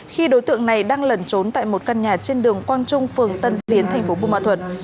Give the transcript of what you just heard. khi đối tượng này đang lẩn trốn tại một căn nhà trên đường quang trung phường tân tiến thành phố bumatut